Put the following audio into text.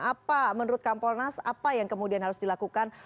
apa menurut kompolnas apa yang kemudian harus dilakukan